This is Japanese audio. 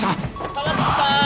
川口さん！